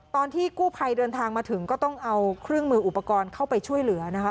ตอนที่กู้ภัยเดินทางมาถึงก็ต้องเอาเครื่องมืออุปกรณ์เข้าไปช่วยเหลือนะคะ